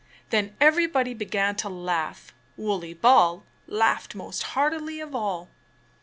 Then everybody began to laugh. Wooley Ball laughed most heartily of all.